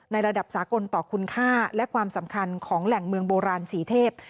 ระดับสากลต่อคุณค่าและความสำคัญของแหล่งเมืองโบราณสีเทพ